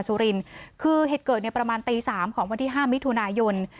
สุรินคือเหตุเกิดในประมาณตีสามของวันที่ห้ามิถุนายน